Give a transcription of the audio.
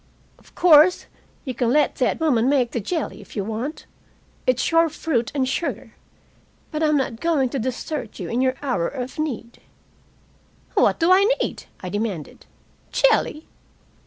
"Of course you can let that woman make the jelly, if you want. It's your fruit and sugar. But I'm not going to desert you in your hour of need." "What do I need?" I demanded. "Jelly?"